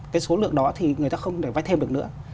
cái số lượng đó thì người ta không thể vay thêm được nữa